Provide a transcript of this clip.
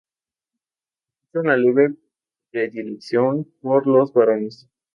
Existe una leve predilección por los varones.